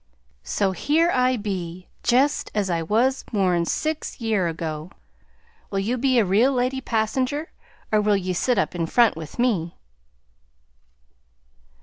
So here I be jest as I was more 'n six year ago. Will you be a real lady passenger, or will ye sit up in front with me?"